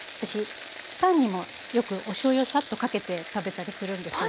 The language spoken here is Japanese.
パンにもよくおしょうゆをサッとかけて食べたりするんですよ。